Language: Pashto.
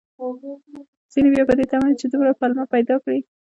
ځينې بيا په دې تمه وي، چې دومره پلمه پيدا کړي